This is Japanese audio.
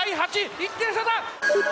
１点差だ！